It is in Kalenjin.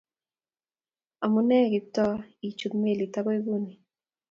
Amune Kiptooo ichut melit agoi guni?